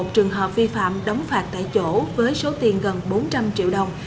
bảy trăm một mươi một trường hợp vi phạm đóng phạt tại chỗ với số tiền gần bốn trăm linh triệu đồng